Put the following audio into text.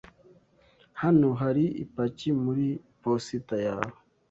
Hano hari ipaki muri posita yawe.